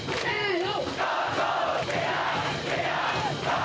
せの！